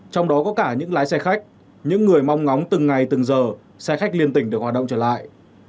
trong đó có cả những lái xe khách những người mong ngóng từng ngày từng giờ xe khách liên tỉnh được hoạt động trở lại